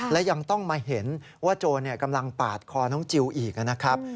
และยังต้องมาเห็นว่าโจรกำลังปาดคอน้องจิลอีกนะครับ